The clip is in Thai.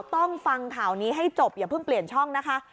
ต้องฟังข่าวนี้ให้จบอย่าเพิ่งเปลี่ยนช่องนะคะ